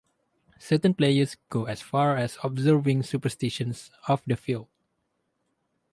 Certain players go as far as observing superstitions off the field.